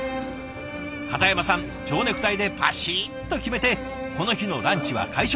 片山さんちょうネクタイでパシッと決めてこの日のランチは会食。